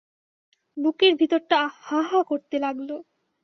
বুকের ভিতরটা হা হা করতে লাগল।